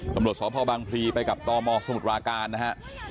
กำลังสอบภาวบางพลีไปกับตอมสมุดปราการนะฮะ